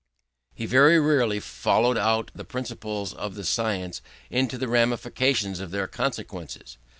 He very rarely followed out the principles of the science into the ramifications of their consequences.